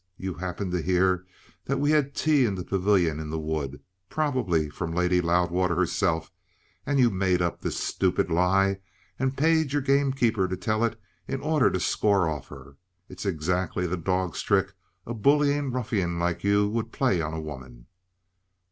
"You happened to hear that we had tea in the pavilion in the wood probably from Lady Loudwater herself and you made up this stupid lie and paid your gamekeeper to tell it in order to score off her. It's exactly the dog's trick a bullying ruffian like you would play a woman."